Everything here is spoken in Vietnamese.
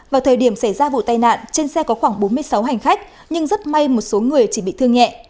vào thời điểm xảy ra vụ tai nạn trên xe có khoảng bốn mươi sáu hành khách nhưng rất may một số người chỉ bị thương nhẹ